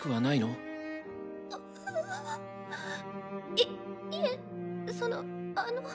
いいえそのあの。